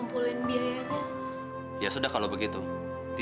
ambil hasilnya masih kurang makeshift